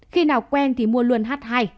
khi nào quen thì mua luôn h hai